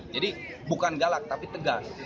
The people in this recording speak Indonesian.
jadi bukan galak tapi tegas